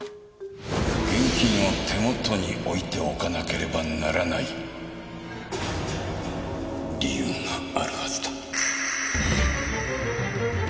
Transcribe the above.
現金を手元に置いておかなければならない理由があるはずだ。